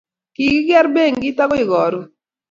kikier benkit akoi karon